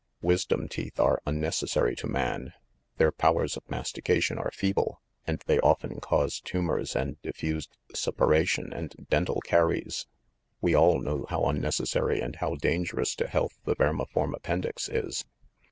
Wisdom teeth are unnecessary to man; their powers of mastication are feeble, and they often cause tumors and diffused suppuration and dental caries. We all know how unnecessary and how dangerous to health the vermiform appendix is.